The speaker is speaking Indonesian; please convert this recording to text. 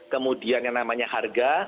kemudian yang namanya harga